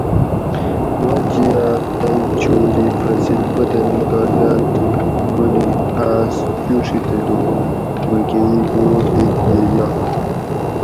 باچیات تئ چھوری فصیل پتہ نیکاگاۤل تھو منی آس چوڛی تلو مکہ ئ گھور دیت یہ یائ